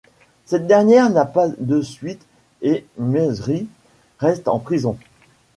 Cette dernière n'a pas de suite et Mejri reste en prison.